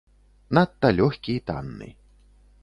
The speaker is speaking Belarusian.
Надта лёгкі і танны.